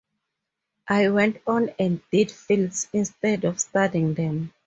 I went on and did films instead of studying them.